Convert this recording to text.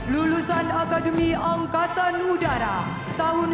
lulusan akademi angkatan laut tahun dua ribu satu